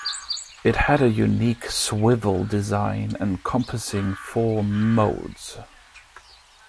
It had a unique swivel design encompassing four 'modes'.